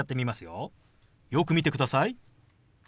よく見てください。